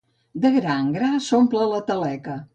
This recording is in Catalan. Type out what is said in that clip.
De gra en gra s'omple la taleca.